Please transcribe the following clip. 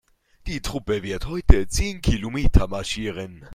Die Truppe wird heute zehn Kilometer marschieren.